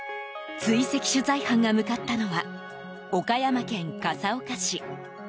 追跡取材班が向かったのは岡山県笠岡市。